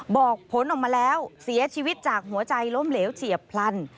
บอกผลออกมาแล้วเสียชีวิตจากหัวใจล้มเหลวเฉียบพลัน